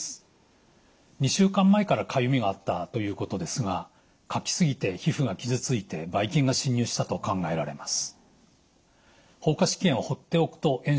２週間前からかゆみがあったということですがかき過ぎて皮膚が傷ついてばい菌が侵入したと考えられます。